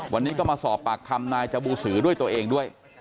วันนี้ก็มาสอบปากคำนายจบูสือด้วยตัวเองด้วย